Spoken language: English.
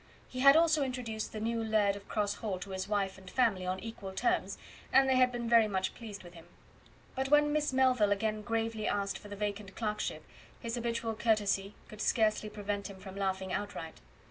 He had also introduced the new laird of Cross Hall to his wife and family on equal terms, and they had been very much pleased with him. But when Miss Melville again gravely asked for the vacant clerkship, his habitual courtesy could scarcely prevent him from laughing outright.